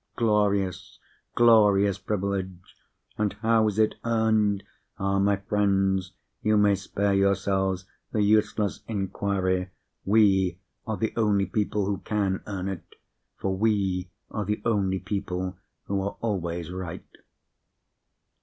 Glorious, glorious privilege! And how is it earned? Ah, my friends, you may spare yourselves the useless inquiry! We are the only people who can earn it—for we are the only people who are always right.